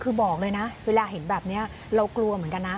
คือบอกเลยนะเวลาเห็นแบบนี้เรากลัวเหมือนกันนะ